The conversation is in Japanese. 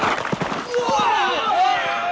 うわ！